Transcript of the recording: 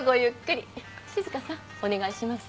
静香さんお願いします。